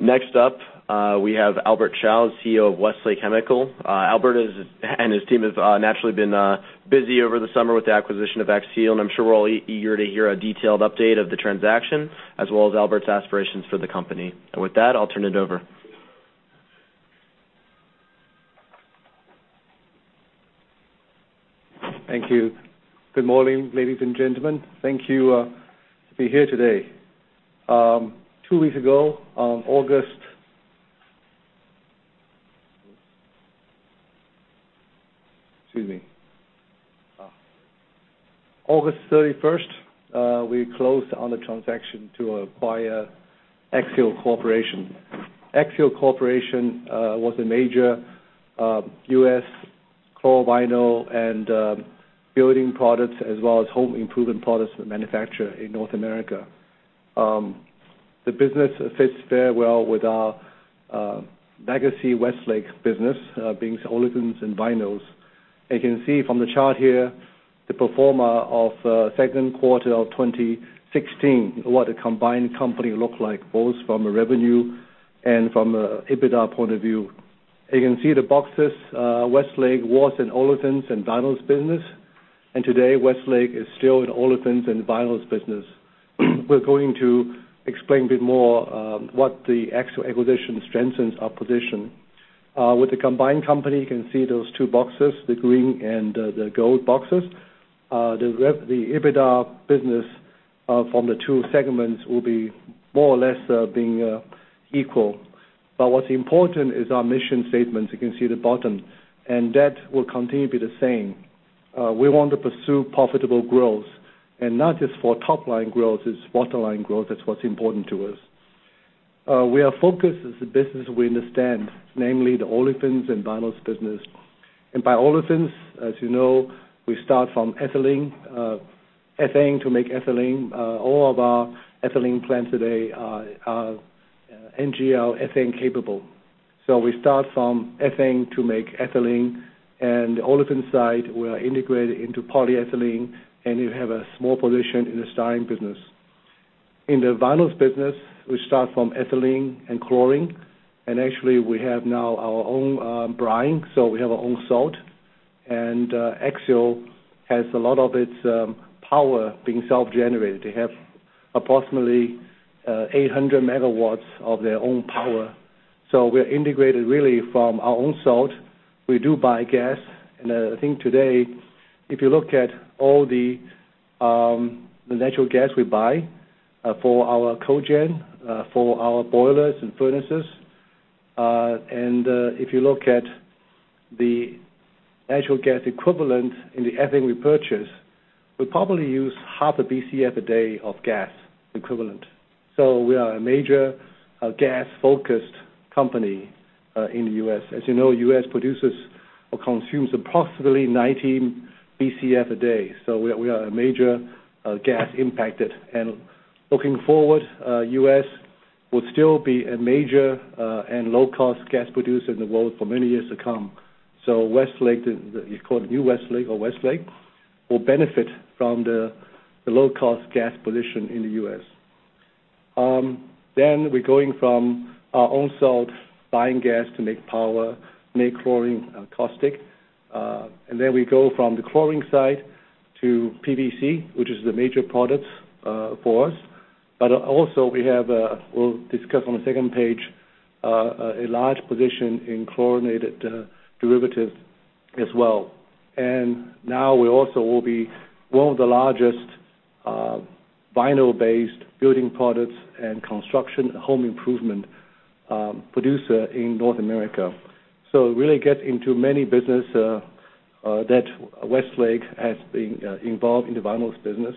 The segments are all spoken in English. Next up, we have Albert Chao, CEO of Westlake Chemical. Albert and his team have naturally been busy over the summer with the acquisition of Axiall, I'm sure we're all eager to hear a detailed update of the transaction, as well as Albert's aspirations for the company. With that, I'll turn it over. Thank you. Good morning, ladies and gentlemen. Thank you for being here today. Two weeks ago, on August 31st, we closed on the transaction to acquire Axiall Corporation. Axiall Corporation was a major U.S. chlor-vinyl and building products, as well as home improvement products manufacturer in North America. The business fits very well with our legacy Westlake business, being olefins and vinyls. You can see from the chart here the performer of second quarter of 2016, what a combined company look like, both from a revenue and from an EBITDA point of view. You can see the boxes, Westlake was an olefins and vinyls business, today, Westlake is still an olefins and vinyls business. We're going to explain a bit more what the Axiall acquisition strengthens our position. With the combined company, you can see those two boxes, the green the gold boxes. The EBITDA business from the two segments will be more or less being equal. What's important is our mission statement. You can see at the bottom, that will continue to be the same. We want to pursue profitable growth, not just for top line growth, it's bottom line growth that's what's important to us. We are focused as a business we understand, namely the olefins and vinyls business. By olefins, as you know, we start from ethane to make ethylene. All of our ethylene plants today are NGL ethane capable. We start from ethane to make ethylene, the olefins side, we are integrated into polyethylene, we have a small position in the styrene business. In the vinyls business, we start from ethylene and chlorine, actually, we have now our own brine, we have our own salt. Axiall has a lot of its power being self-generated. They have approximately 800 MW of their own power. We are integrated really from our own salt. We do buy gas. I think today, if you look at all the natural gas we buy for our cogen, for our boilers and furnaces, if you look at the natural gas equivalent in the ethane we purchase, we probably use half a BCF a day of gas equivalent. We are a major gas-focused company in the U.S. As you know, U.S. produces or consumes approximately 90 BCF a day. We are major gas impacted. Looking forward, U.S. will still be a major and low-cost gas producer in the world for many years to come. Westlake, you call it new Westlake or Westlake, will benefit from the low-cost gas position in the U.S. We're going from our own salt, buying gas to make power, make chlorine and caustic. We go from the chlorine side to PVC, which is the major product for us. We have, we'll discuss on the second page, a large position in chlorinated derivatives as well. We also will be one of the largest vinyl-based building products and construction home improvement producer in North America. Really get into many business that Westlake has been involved in the vinyls business.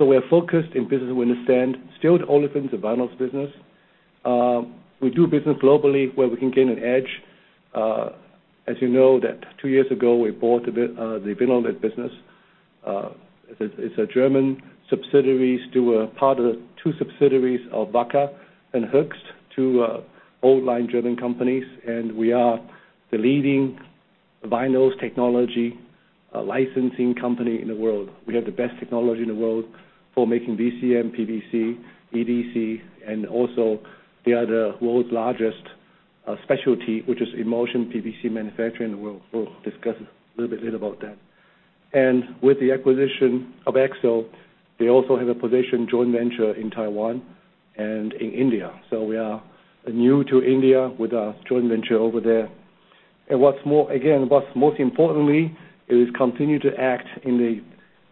We are focused in business we understand. Still the olefins to vinyls business. We do business globally where we can gain an edge. As you know that two years ago, we bought the Vinnolit business. It's a German subsidiaries to two subsidiaries of Wacker and Hoechst, two old line German companies, and we are the leading vinyls technology licensing company in the world. We have the best technology in the world for making VCM, PVC, EDC, and also the other world's largest specialty, which is emulsion PVC manufacturer in the world. We'll discuss a little bit later about that. With the acquisition of Axiall, they also have a position joint venture in Taiwan and in India. We are new to India with our joint venture over there. Again, what's most importantly is continue to act in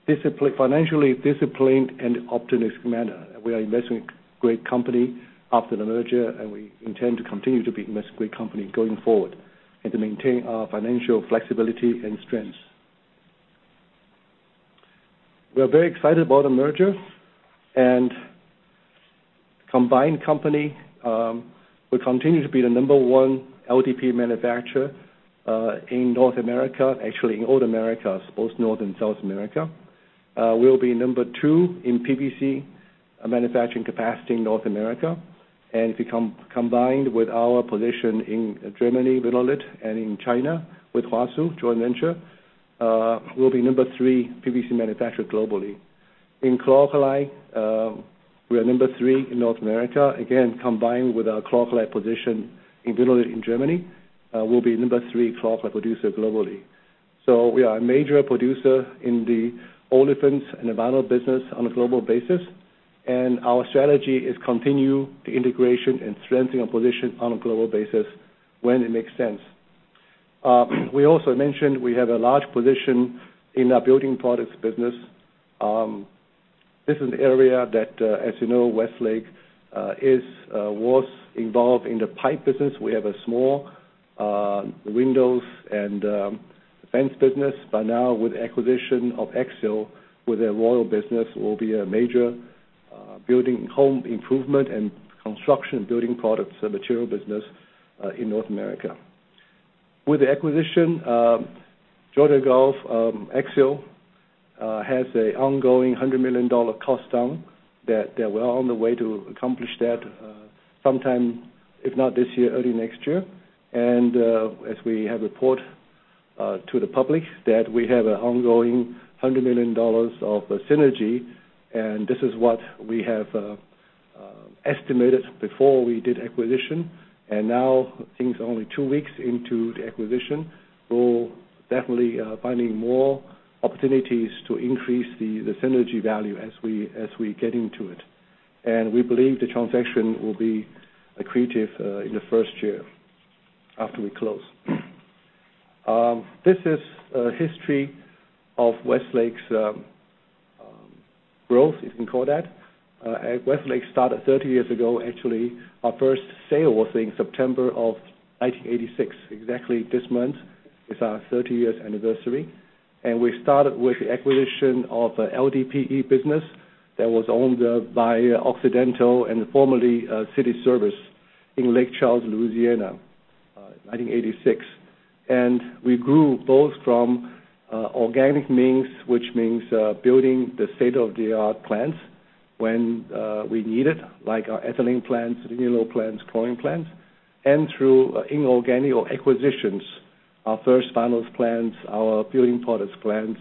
the financially disciplined and optimistic manner. We are investing great company after the merger, and we intend to continue to be investing great company going forward, and to maintain our financial flexibility and strengths. We are very excited about the merger, and combined company will continue to be the number one LDPE manufacturer in North America, actually in all Americas, both North and South America. We'll be number two in PVC manufacturing capacity in North America. If you combine with our position in Germany, Vinnolit, and in China with Huasu joint venture, we'll be number three PVC manufacturer globally. In chlor-alkali, we are number three in North America. Again, combined with our chlor-alkali position in Vinnolit in Germany, we'll be number three chlor-alkali producer globally. We are a major producer in the olefins and vinyl business on a global basis, and our strategy is continue the integration and strengthening our position on a global basis when it makes sense. We also mentioned we have a large position in our building products business. This is an area that, as you know, Westlake was involved in the pipe business. We have a small windows and fence business. With acquisition of Axiall with their Royal Building Products will be a major building home improvement and construction building products and material business, in North America. With the acquisition, Georgia Gulf, Axiall has an ongoing $100 million cost down that they were on the way to accomplish that, sometime, if not this year, early next year. As we have report to the public that we have an ongoing $100 million of synergy, and this is what we have estimated before we did acquisition. Things are only two weeks into the acquisition. Definitely finding more opportunities to increase the synergy value as we get into it. We believe the transaction will be accretive in the first year after we close. This is a history of Westlake's growth, if you can call that. Westlake started 30 years ago. Actually, our first sale was in September of 1986. Exactly this month is our 30 years anniversary. We started with the acquisition of LDPE business that was owned by Occidental and formerly Cities Service in Lake Charles, Louisiana, 1986. We grew both from organic means, which means building the state-of-the-art plants when we need it, like our ethylene plants, vinyl plants, chlorine plants, and through inorganic acquisitions. Our first vinyls plants, our building products plants,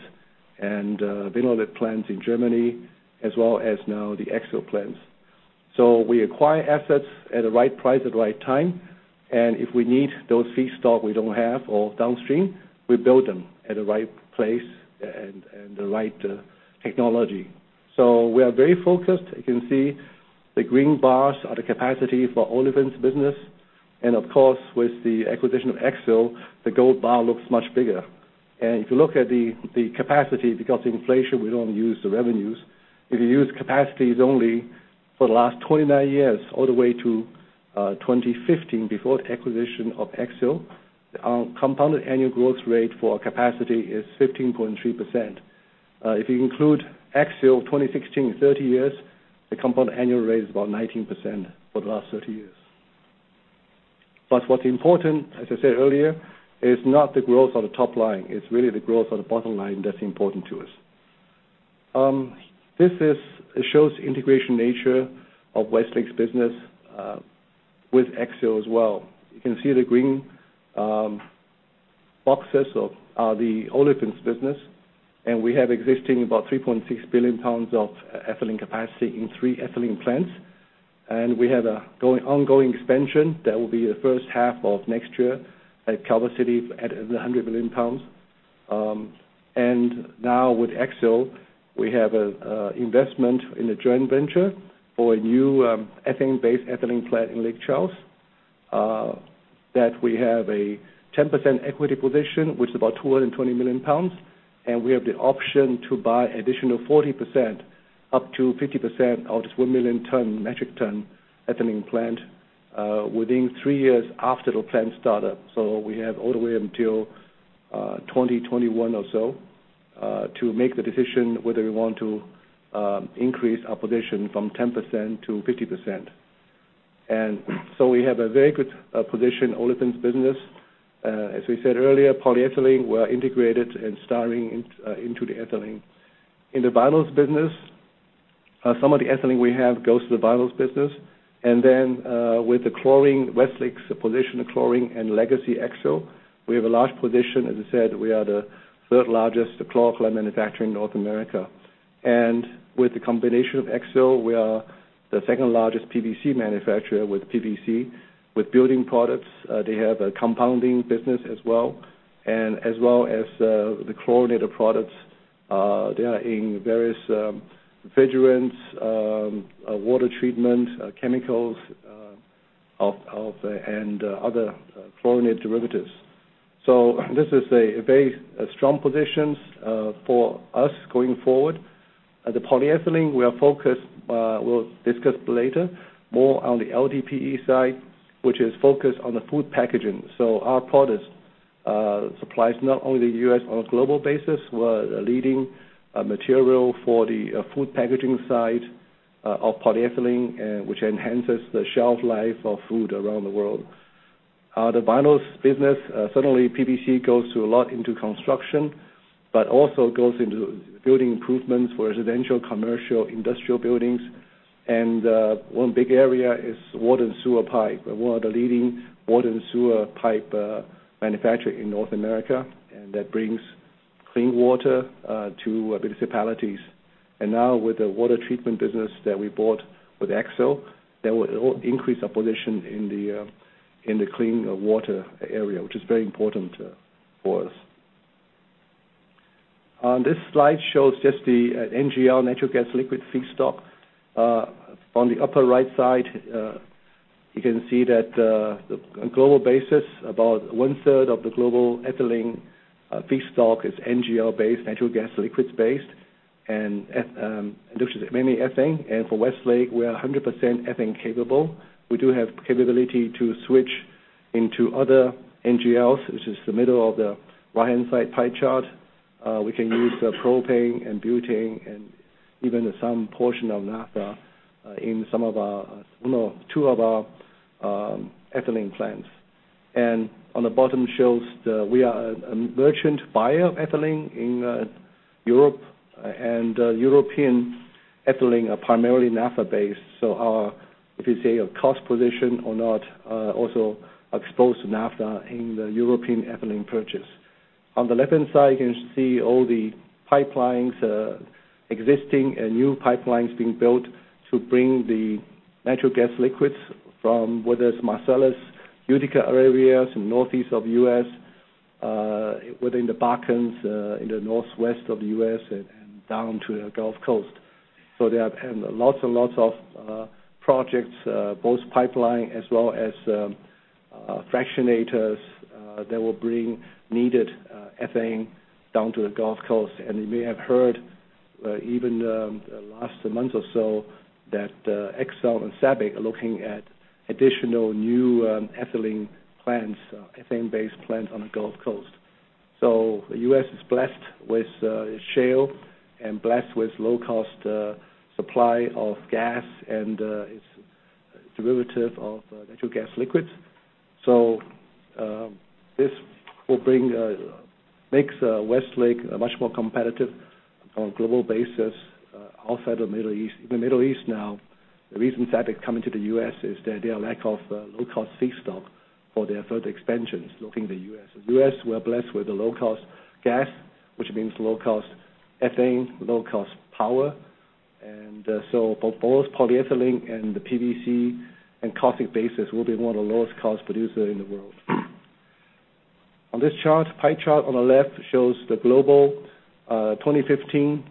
and Vinnolit plants in Germany, as well as now the Axiall plants. We acquire assets at the right price, at the right time, and if we need those feedstock we don't have or downstream, we build them at the right place and the right technology. We are very focused. You can see the green bars are the capacity for olefins business. Of course, with the acquisition of Axiall, the gold bar looks much bigger. If you look at the capacity, because of inflation, we don't use the revenues. If you use capacities only for the last 29 years, all the way to 2015 before acquisition of Axiall, our compounded annual growth rate for capacity is 15.3%. If you include Axiall 2016, 30 years, the compounded annual rate is about 19% for the last 30 years. What's important, as I said earlier, is not the growth on the top line. It's really the growth on the bottom line that's important to us. This shows integration nature of Westlake's business, with Axiall as well. You can see the green boxes are the olefins business, and we have existing about 3.6 billion pounds of ethylene capacity in three ethylene plants. We have an ongoing expansion that will be the first half of next year at Calvert City at 100 million pounds. Now with Axiall, we have an investment in a joint venture for a new ethane-based ethylene plant in Lake Charles. That we have a 10% equity position, which is about 220 million pounds, and we have the option to buy additional 40% up to 50% of this 1 million ton metric ton ethylene plant, within three years after the plant startup. We have all the way until 2021 or so to make the decision whether we want to increase our position from 10% to 50%. We have a very good position olefins business. As we said earlier, polyethylene we are integrated and starting into the ethylene. In the vinyls business, some of the ethylene we have goes to the vinyls business. With the chlorine, Westlake's position of chlorine and legacy Axiall, we have a large position. As I said, we are the third largest chlor-alkali manufacturer in North America. With the combination of Axiall, we are the second-largest PVC manufacturer with PVC, with building products. They have a compounding business as well. As well as the chlorinated products. They are in various refrigerants, water treatment chemicals, and other chlorinated derivatives. This is a very strong position for us going forward. The polyethylene we are focused, we'll discuss later more on the LDPE side, which is focused on the food packaging. Our products supplies not only the U.S. on a global basis. We're a leading material for the food packaging side of polyethylene which enhances the shelf life of food around the world. The vinyls business, certainly PVC goes a lot into construction, but also goes into building improvements for residential, commercial, industrial buildings. One big area is water and sewer pipe. We're one of the leading water and sewer pipe manufacturer in North America, and that brings clean water to municipalities. Now with the water treatment business that we bought with Axiall, that will increase our position in the clean water area, which is very important for us. This slide shows just the NGL, natural gas liquid feedstock. On the upper right side, you can see that on a global basis, about one-third of the global ethylene feedstock is NGL based, natural gas liquids based, and this is mainly ethane. For Westlake, we are 100% ethane capable. We do have capability to switch into other NGLs, which is the middle of the right-hand side pie chart. We can use propane and butane and even some portion of naphtha in two of our ethylene plants. On the bottom shows we are a merchant buyer of ethylene in Europe, and European ethylene are primarily naphtha based. Our, if you say, our cost position or not, also exposed to naphtha in the European ethylene purchase. On the left-hand side, you can see all the pipelines, existing and new pipelines being built to bring the natural gas liquids from whether it's Marcellus, Utica areas in northeast of U.S., within the Bakken in the northwest of the U.S. and down to the Gulf Coast. There have been lots and lots of projects, both pipeline as well as fractionators that will bring needed ethane down to the Gulf Coast. You may have heard even the last month or so that ExxonMobil and SABIC are looking at additional new ethylene plants, ethane-based plants on the Gulf Coast. The U.S. is blessed with shale and blessed with low cost supply of gas and its derivative of natural gas liquids. This makes Westlake much more competitive on a global basis outside of Middle East. Even Middle East now, the reason SABIC coming to the U.S. is that they are lack of low cost feedstock for their further expansions, looking the U.S. In U.S., we are blessed with a low cost gas, which means low cost ethane, low cost power. Both polyethylene and the PVC and caustic basis will be one of the lowest cost producer in the world. On this chart, pie chart on the left shows the global 2015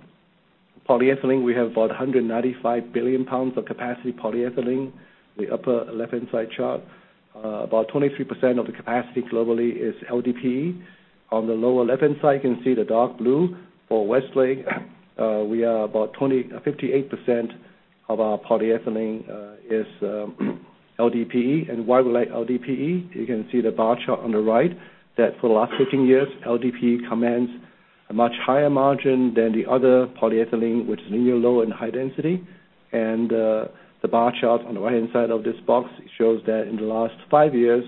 polyethylene. We have about 195 billion pounds of capacity polyethylene, the upper left-hand side chart. About 23% of the capacity globally is LDPE. On the lower left-hand side, you can see the dark blue. For Westlake, we are about 58% of our polyethylene is LDPE. Why we like LDPE, you can see the bar chart on the right, that for the last 15 years, LDPE commands a much higher margin than the other polyethylene, which is linear, low and high density. The bar chart on the right-hand side of this box shows that in the last five years,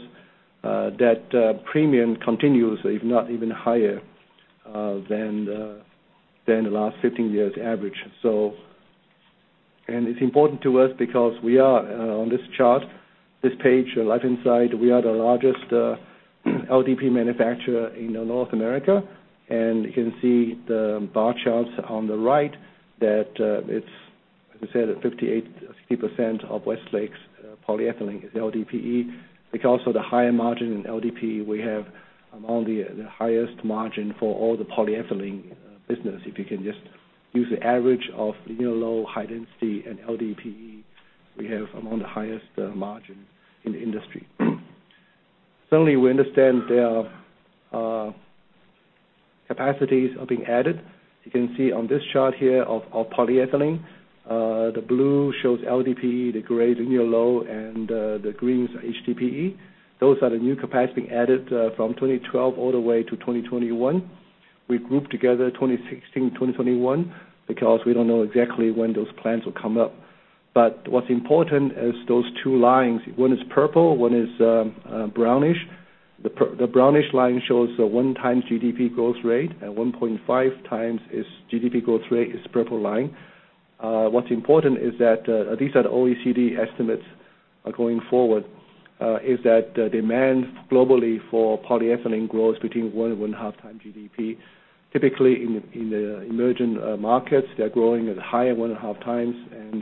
that premium continues, if not even higher, than the last 15 years average. It's important to us because we are, on this chart, this page, left-hand side, we are the largest LDPE manufacturer in North America. You can see the bar charts on the right that it's, as I said, 58%-60% of Westlake's polyethylene is LDPE. Because of the higher margin in LDPE, we have among the highest margin for all the polyethylene business. If you can just use the average of linear low, high density, and LDPE, we have among the highest margin in the industry. Certainly, we understand capacities are being added. You can see on this chart here of our polyethylene, the blue shows LDPE, the gray is linear low, and the green is HDPE. Those are the new capacity added from 2012 all the way to 2021. We grouped together 2016 to 2021 because we don't know exactly when those plants will come up. What's important is those two lines. One is purple, one is brownish. The brownish line shows a one times GDP growth rate, 1.5 times its GDP growth rate is purple line. What's important is that, these are the OECD estimates going forward, is that demand globally for polyethylene grows between one and one-half time GDP. Typically, in the emerging markets, they're growing at higher one and a half times.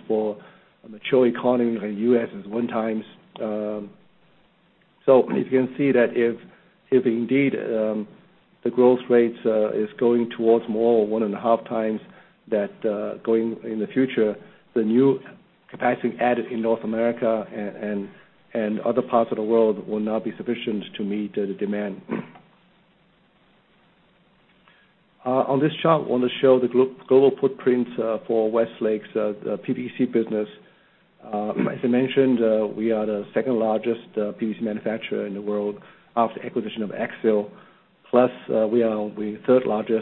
For a mature economy like U.S. is one times. You can see that if indeed the growth rates is going towards more one and a half times that going in the future, the new capacity added in North America and other parts of the world will not be sufficient to meet the demand. On this chart, want to show the global footprint for Westlake's PVC business. As I mentioned, we are the second-largest PVC manufacturer in the world after acquisition of Axiall. We are the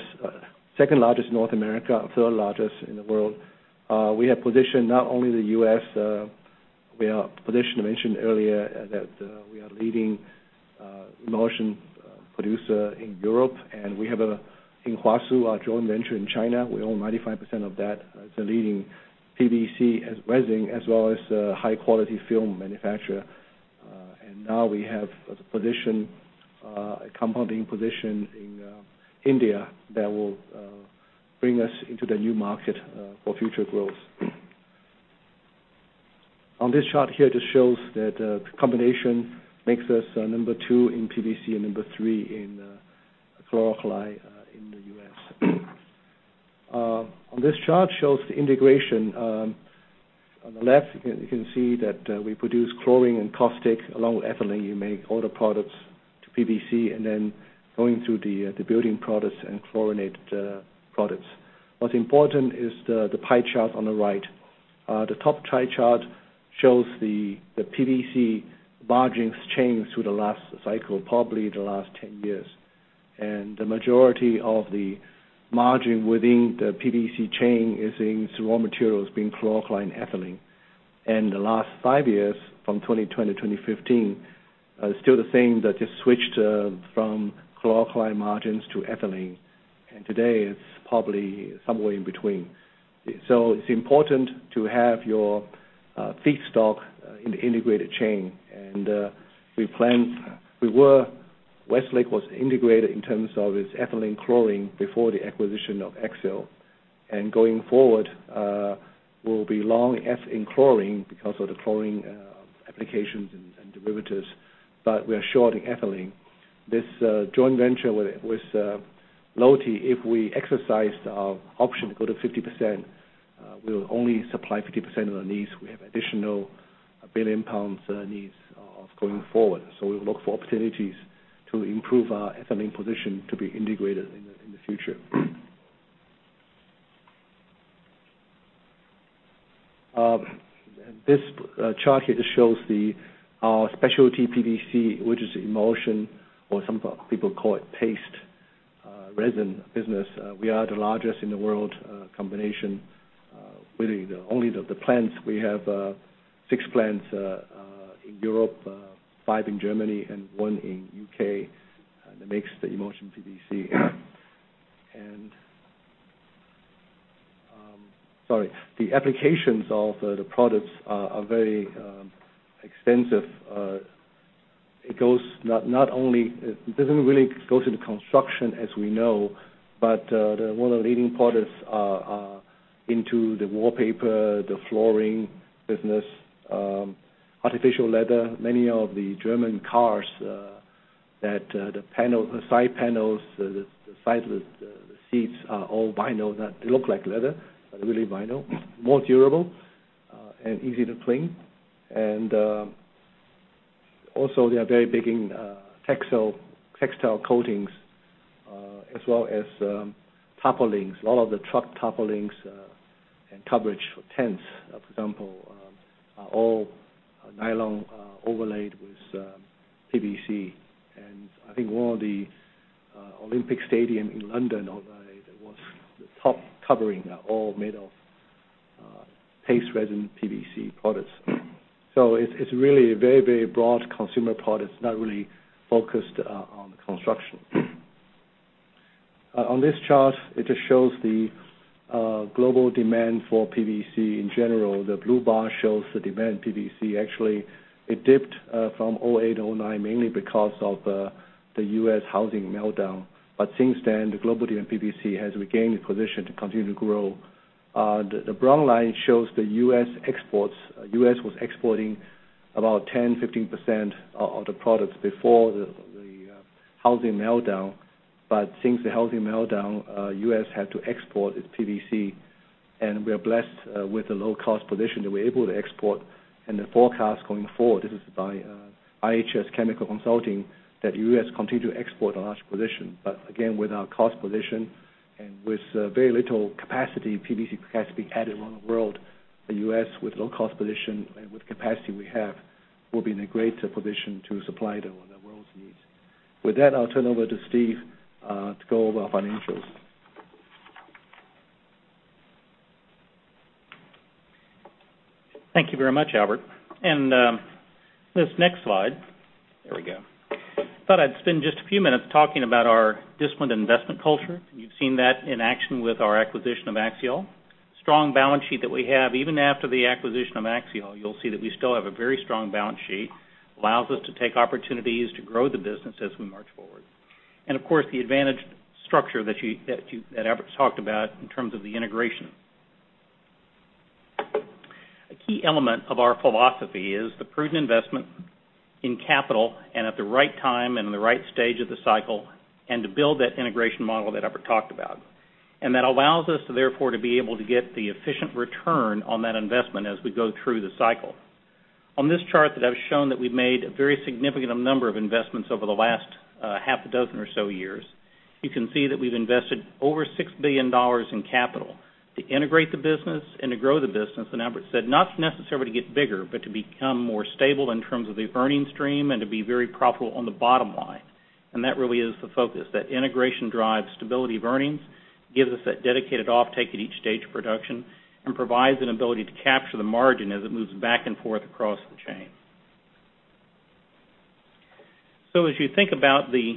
second-largest in North America, third-largest in the world. We have position not only the U.S. We are positioned, I mentioned earlier, that we are leading emulsion producer in Europe, and we have in Huasu, our joint venture in China. We own 95% of that. It's a leading PVC resin as well as high quality film manufacturer. Now we have a compounding position in India that will bring us into the new market, for future growth. On this chart here, just shows that, the combination makes us number 2 in PVC and number 3 in chlor-alkali in the U.S. On this chart, shows the integration. On the left, you can see that we produce chlorine and caustic. Along with ethylene, you make all the products to PVC, and then going through the building products and chlorinated products. What's important is the pie chart on the right. The top chart shows the PVC margins change through the last cycle, probably the last 10 years. The majority of the margin within the PVC chain is in raw materials being chloralkali and ethylene. The last five years, from 2010 to 2015, still the same. That just switched from chloralkali margins to ethylene. Today it's probably somewhere in between. It's important to have your feedstock in the integrated chain. Westlake was integrated in terms of its ethylene chlorine before the acquisition of Axiall. Going forward, we'll be long eth in chlorine because of the chlorine applications and derivatives, but we are short in ethylene. This joint venture with Lotte, if we exercise our option to go to 50%, we'll only supply 50% of our needs. We have additional billion pounds needs of going forward. We'll look for opportunities to improve our ethylene position to be integrated in the future. This chart here just shows our specialty PVC, which is emulsion, or some people call it paste resin business. We are the largest in the world, combination. Really the only of the plants. We have six plants in Europe, five in Germany and one in U.K., that makes the emulsion PVC. The applications of the products are very extensive. It doesn't really go to the construction as we know. One of the leading products are into the wallpaper, the flooring business, artificial leather. Many of the German cars, the side panels, the side of the seats are all vinyl. They look like leather, but really vinyl. More durable, and easy to clean. Also they are very big in textile coatings, as well as, tarpaulins. A lot of the truck tarpaulins, and coverage for tents, for example, are all nylon, overlaid with PVC. I think one of the Olympic stadium in London overlay that was the top covering are all made of paste resin PVC products. It's really a very broad consumer product. It's not really focused on the construction. On this chart, it just shows the global demand for PVC in general. The blue bar shows the demand PVC. Actually, it dipped from 2008 to 2009 mainly because of the U.S. housing meltdown. Since then, the global demand PVC has regained a position to continue to grow. The brown line shows the U.S. exports. U.S. was exporting about 10%-15% of the products before the housing meltdown. Since the housing meltdown, U.S. had to export its PVC. We are blessed with the low cost position that we're able to export. The forecast going forward, this is by IHS Chemical Consulting, that U.S. continue to export a large position, again, with our cost position and with very little capacity, PVC capacity added around the world, the U.S. with low cost position and with capacity we have, will be in a greater position to supply the world's needs. With that, I'll turn over to Steve, to go over our financials. Thank you very much, Albert. This next slide. There we go. I thought I'd spend just a few minutes talking about our disciplined investment culture. You've seen that in action with our acquisition of Axiall. Strong balance sheet that we have. Even after the acquisition of Axiall, you'll see that we still have a very strong balance sheet. Allows us to take opportunities to grow the business as we march forward. Of course, the advantaged structure that Albert talked about in terms of the integration. A key element of our philosophy is the prudent investment in capital and at the right time and the right stage of the cycle, and to build that integration model that Albert talked about. That allows us to therefore, to be able to get the efficient return on that investment as we go through the cycle. On this chart that I've shown that we've made a very significant number of investments over the last half a dozen or so years. You can see that we've invested over $6 billion in capital to integrate the business and to grow the business, Albert said, not necessarily to get bigger, but to become more stable in terms of the earnings stream and to be very profitable on the bottom line. That really is the focus, that integration drives stability of earnings, gives us that dedicated offtake at each stage of production, and provides an ability to capture the margin as it moves back and forth across the chain. As you think about the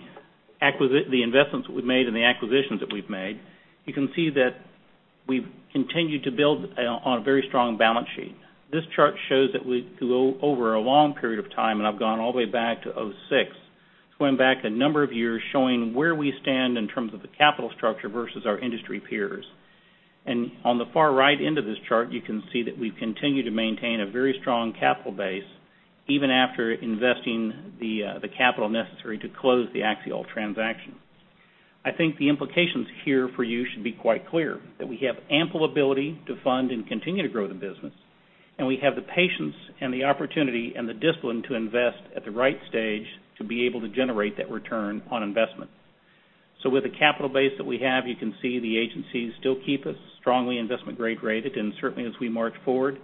investments we've made and the acquisitions that we've made, you can see that we've continued to build on a very strong balance sheet. This chart shows that we, over a long period of time, I've gone all the way back to 2006, it's going back a number of years showing where we stand in terms of the capital structure versus our industry peers. On the far right end of this chart, you can see that we've continued to maintain a very strong capital base, even after investing the capital necessary to close the Axiall transaction. I think the implications here for you should be quite clear, that we have ample ability to fund and continue to grow the business, and we have the patience and the opportunity and the discipline to invest at the right stage to be able to generate that return on investment. With the capital base that we have, you can see the agencies still keep us strongly investment-grade rated. Certainly, as we march forward,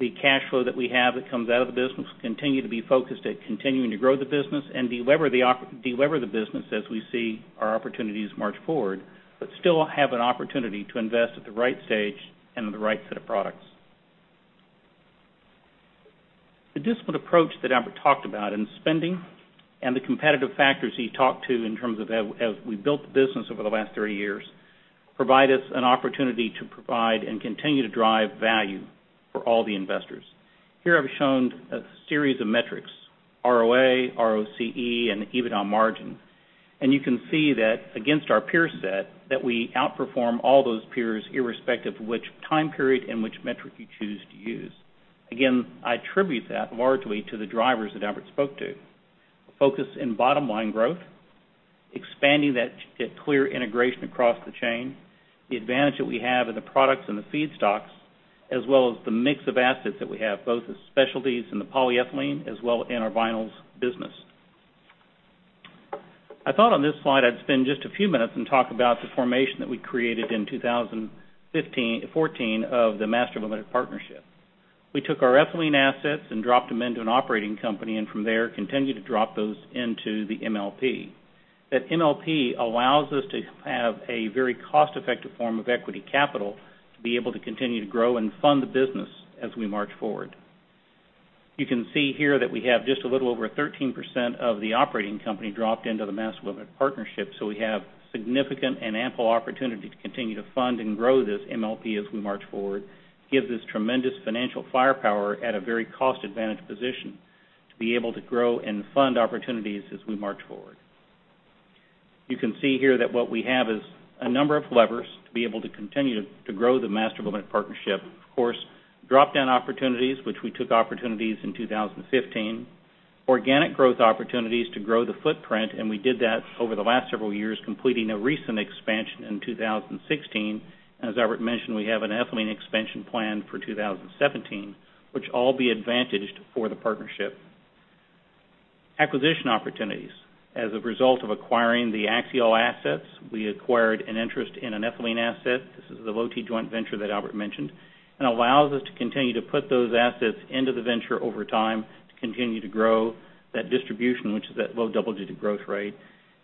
the cash flow that we have that comes out of the business will continue to be focused at continuing to grow the business and de-lever the business as we see our opportunities march forward, but still have an opportunity to invest at the right stage and in the right set of products. The disciplined approach that Albert talked about in spending and the competitive factors he talked to in terms of as we built the business over the last 30 years, provide us an opportunity to provide and continue to drive value for all the investors. Here I've shown a series of metrics, ROA, ROCE, and EBITDA margin. You can see that against our peer set, that we outperform all those peers irrespective of which time period and which metric you choose to use. Again, I attribute that largely to the drivers that Albert spoke to. A focus in bottom-line growth, expanding that clear integration across the chain, the advantage that we have in the products and the feedstocks, as well as the mix of assets that we have, both the specialties and the polyethylene, as well in our vinyls business. I thought on this slide I'd spend just a few minutes and talk about the formation that we created in 2014 of the Master Limited Partnership. We took our ethylene assets and dropped them into an operating company, and from there, continued to drop those into the MLP. That MLP allows us to have a very cost-effective form of equity capital to be able to continue to grow and fund the business as we march forward. You can see here that we have just a little over 13% of the operating company dropped into the Master Limited Partnership, so we have significant and ample opportunity to continue to fund and grow this MLP as we march forward, give this tremendous financial firepower at a very cost advantage position to be able to grow and fund opportunities as we march forward. You can see here that what we have is a number of levers to be able to continue to grow the Master Limited Partnership. Of course, drop-down opportunities, which we took opportunities in 2015. Organic growth opportunities to grow the footprint, and we did that over the last several years, completing a recent expansion in 2016. As Albert mentioned, we have an ethylene expansion plan for 2017, which will be advantaged for the partnership. Acquisition opportunities. As a result of acquiring the Axiall assets, we acquired an interest in an ethylene asset. This is the Lotte joint venture that Albert mentioned. This allows us to continue to put those assets into the venture over time to continue to grow that distribution, which is that low double-digit growth rate.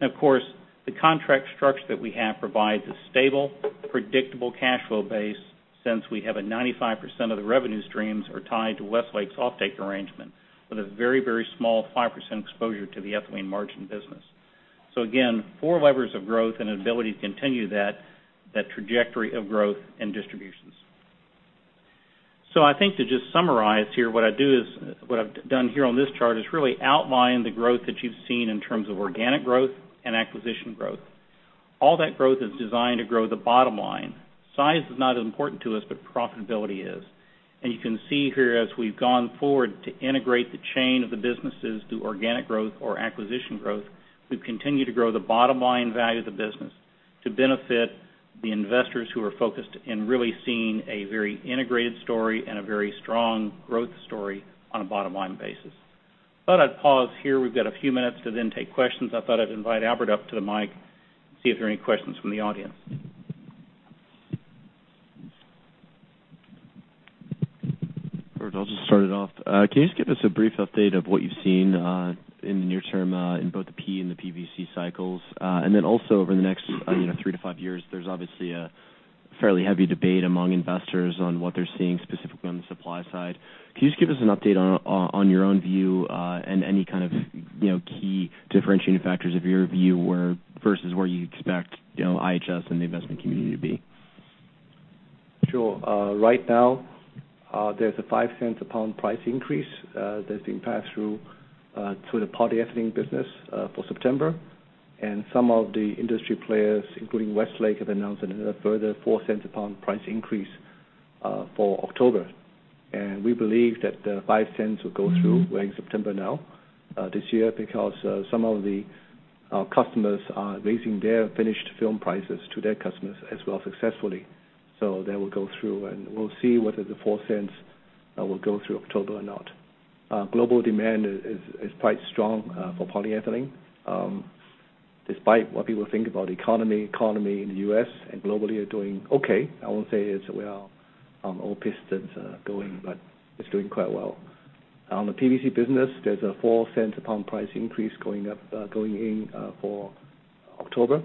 Of course, the contract structure that we have provides a stable, predictable cash flow base since we have 95% of the revenue streams are tied to Westlake's offtake arrangement with a very small 5% exposure to the ethylene margin business. Again, four levers of growth and an ability to continue that trajectory of growth and distributions. I think to just summarize here, what I've done here on this chart is really outline the growth that you've seen in terms of organic growth and acquisition growth. All that growth is designed to grow the bottom line. Size is not as important to us, but profitability is. You can see here, as we've gone forward to integrate the chain of the businesses through organic growth or acquisition growth, we've continued to grow the bottom-line value of the business to benefit the investors who are focused and really seeing a very integrated story and a very strong growth story on a bottom-line basis. Thought I'd pause here. We've got a few minutes to then take questions. I thought I'd invite Albert up to the mic, see if there are any questions from the audience. Albert, I'll just start it off. Can you just give us a brief update of what you've seen in the near term in both the PE and the PVC cycles? Then also over the next three to five years, there's obviously a fairly heavy debate among investors on what they're seeing specifically on the supply side. Can you just give us an update on your own view and any kind of key differentiating factors of your view versus where you expect IHS and the investment community to be? Sure. Right now, there's a $0.05 a pound price increase that's being passed through to the polyethylene business for September. Some of the industry players, including Westlake, have announced another further $0.04 a pound price increase for October. We believe that the $0.05 will go through, we're in September now, this year because some of the customers are raising their finished film prices to their customers as well successfully. That will go through, and we'll see whether the $0.04 will go through October or not. Global demand is quite strong for polyethylene. Despite what people think about the economy in the U.S. and globally are doing okay. I won't say it's well on all pistons going, but it's doing quite well. On the PVC business, there's a $0.04 a pound price increase going in for October.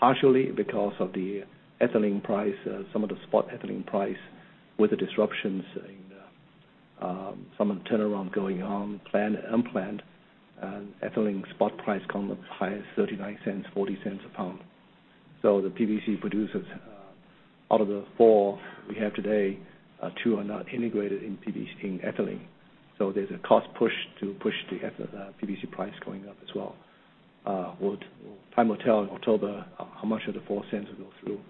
Partially because of the ethylene price, some of the spot ethylene price with the disruptions in some of the turnaround going on, planned and unplanned, ethylene spot price come up high as $0.39, $0.40 a pound. The PVC producers out of the four we have today, two are not integrated in PVC in ethylene. There's a cost push to push the PVC price going up as well. Time will tell in October how much of the $0.04 will go through.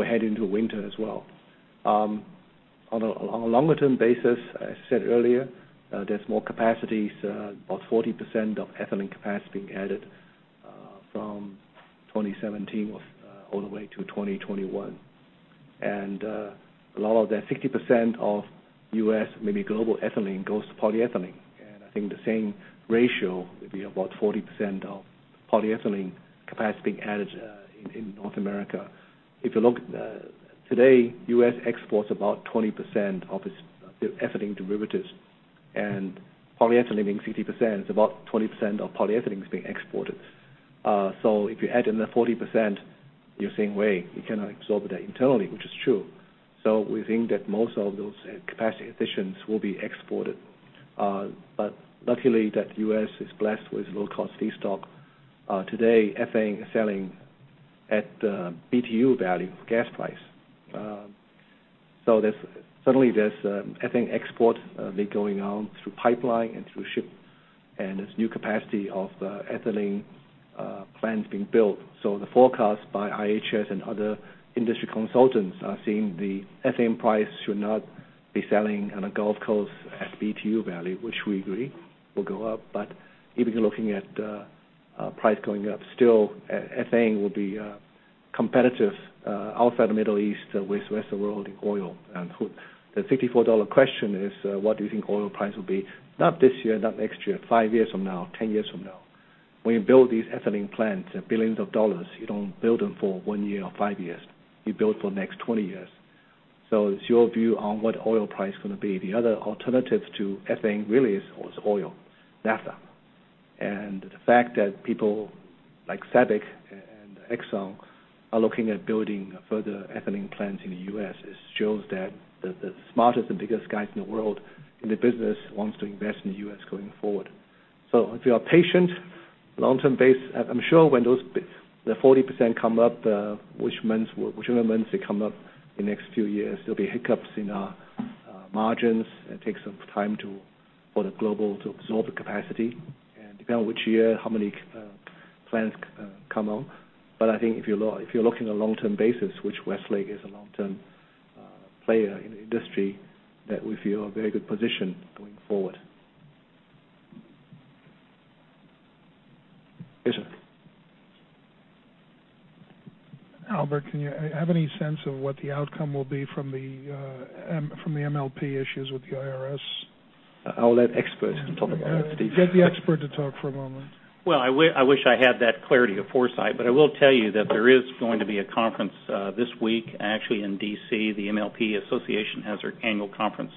We head into winter as well. On a longer term basis, I said earlier, there's more capacities, about 40% of ethylene capacity added from 2017 all the way to 2021. A lot of that 60% of U.S., maybe global ethylene goes to polyethylene. I think the same ratio would be about 40% of polyethylene capacity added in North America. If you look today, U.S. exports about 20% of its ethylene derivatives and polyethylene being 60%, it's about 20% of polyethylene is being exported. If you add in the 40%, you're saying, "Wait, you cannot absorb that internally," which is true. We think that most of those capacity additions will be exported. Luckily that U.S. is blessed with low-cost feedstock. Today, ethane selling at BTU value gas price. Suddenly there's ethane export be going on through pipeline and through ship, and there's new capacity of ethylene plants being built. The forecast by IHS and other industry consultants are seeing the ethane price should not be selling on a Gulf Coast at BTU value, which we agree will go up. Even looking at price going up still, ethane will be competitive outside the Middle East with rest of the world in oil. The $54 question is, what do you think oil price will be? Not this year, not next year, five years from now, 10 years from now. When you build these ethylene plants, billions of dollars, you don't build them for one year or five years. You build for next 20 years. It's your view on what oil price is going to be. The other alternatives to ethane really is oil, naphtha. The fact that people like SABIC and ExxonMobil are looking at building further ethylene plants in the U.S., it shows that the smartest and biggest guys in the world in the business wants to invest in the U.S. going forward. If you are patient, long-term base, I'm sure when the 40% come up, whichever months they come up in the next few years, there'll be hiccups in our margins. It takes some time for the global to absorb the capacity and depend on which year, how many plants come out. I think if you're looking at long-term basis, which Westlake is a long-term player in the industry, that we feel a very good position going forward, Richard. Albert, have any sense of what the outcome will be from the MLP issues with the IRS? I'll let experts talk about it. Get the expert to talk for a moment. Well, I wish I had that clarity of foresight, but I will tell you that there is going to be a conference this week, actually in D.C. The MLP Association has their annual conference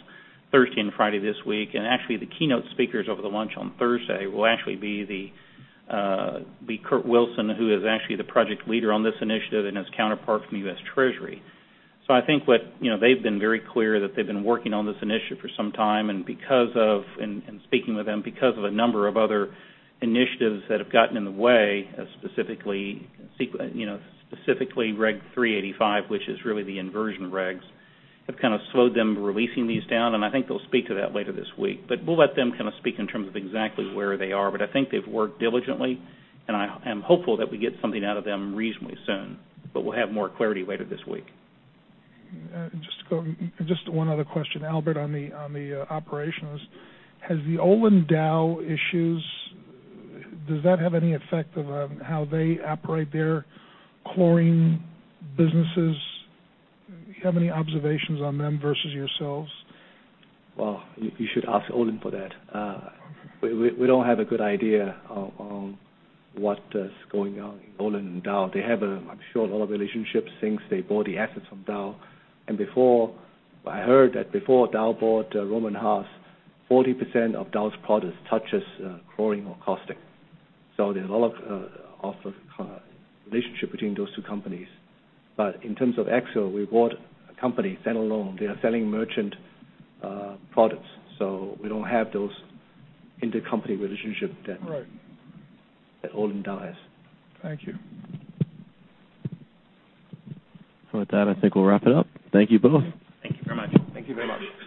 Thursday and Friday this week. The keynote speakers over the lunch on Thursday will actually be Kurt Wilson, who is actually the project leader on this initiative and his counterpart from U.S. Treasury. I think they've been very clear that they've been working on this initiative for some time, and because of, and speaking with them, because of a number of other initiatives that have gotten in the way, specifically Section 385, which is really the inversion regs, have slowed them releasing these down. I think they'll speak to that later this week. We'll let them speak in terms of exactly where they are. I think they've worked diligently, and I am hopeful that we get something out of them reasonably soon. We'll have more clarity later this week. Just one other question, Albert, on the operations. Has the Olin Dow issues, does that have any effect on how they operate their chlorine businesses? Do you have any observations on them versus yourselves? Well, you should ask Olin for that. We don't have a good idea on what is going on in Olin and Dow. They have, I'm sure, a lot of relationships since they bought the assets from Dow. Before, I heard that before Dow bought Rohm and Haas, 40% of Dow's products touches chlorine or caustic. There's a lot of relationship between those two companies. In terms of Axiall, we bought a company stand alone. They are selling merchant products. We don't have those intercompany relationship that- Right. That Olin and Dow has. Thank you. With that, I think we'll wrap it up. Thank you both. Thank you very much. Thank you very much.